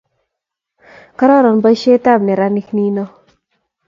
kararan boisietab neranik nino